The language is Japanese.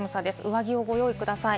上着をご用意ください。